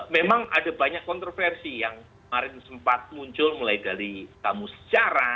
memang ada banyak kontroversi yang kemarin sempat muncul mulai dari tamu sejarah